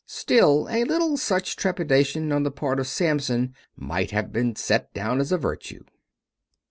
Still a little such trepidation on the part of Samson might have been set down as a virtue.